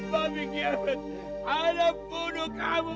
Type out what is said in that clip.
bapak kiamat saya bunuh kamu